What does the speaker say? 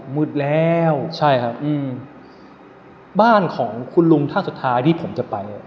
มืดแล้วใช่ครับอืมบ้านของคุณลุงท่านสุดท้ายที่ผมจะไป